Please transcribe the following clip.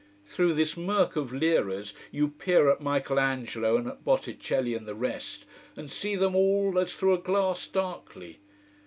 Through this murk of Liras you peer at Michael Angelo and at Botticelli and the rest, and see them all as through a glass, darkly.